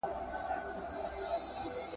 بېنتلي محدود پلور درلود.